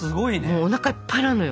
もうおなかがいっぱいになるのよ。